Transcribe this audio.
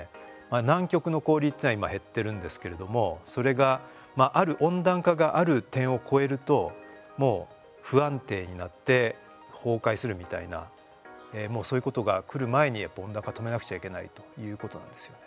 南極の氷っていうのは今、減ってるんですけれどもそれが、ある温暖化がある点を超えると、もう不安定になって崩壊するみたいなもう、そういうことがくる前に温暖化を止めなくちゃいけないということなんですよね。